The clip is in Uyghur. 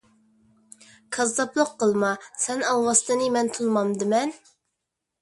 كاززاپلىق قىلما، سەن ئالۋاستىنى مەن تونۇمامدىمەن؟